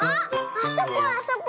あそこあそこ。